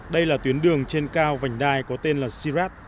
đây là tuyến đường trên cao vành đai có tên là sirat